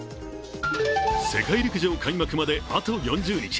世界陸上開幕まであと４０日。